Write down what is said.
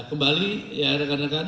kembali ya rekan rekan